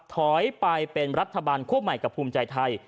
ถอยไปเป็นรัฐบาลคั่วใหม่กับภูมิใจไทย